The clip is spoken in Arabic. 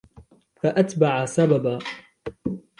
فَأَتْبَعَ سَبَبًا